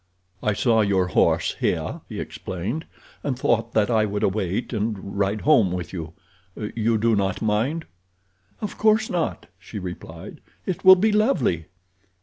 "I saw your horse here," he explained, "and thought that I would wait and ride home with you—you do not mind?" "Of course not," she replied. "It will be lovely."